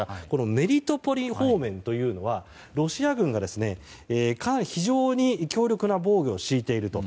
メリトポリ方面はロシア軍が非常に強力な防御を敷いていると。